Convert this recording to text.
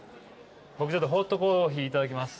僕ちょっとホットコーヒーいただきます。